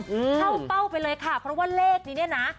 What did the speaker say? เข้าเป้าไปเลยค่ะเพราะว่าเลขนี้เนี่ยนะ